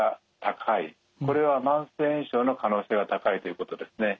これは慢性炎症の可能性が高いということですね。